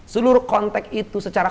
seluruh konteks itu secara